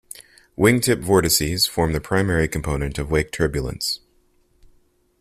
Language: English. Wingtip vortices form the primary component of wake turbulence.